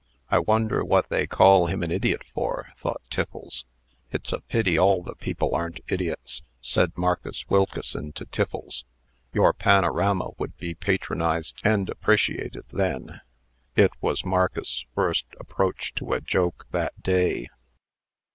"I wonder what they call him an idiot for?" thought Tiffles. "It's a pity all the people aren't idiots," said Marcus Wilkeson to Tiffles. "Your panorama would be patronized and appreciated then." It was Marcus's first approach to a joke that day.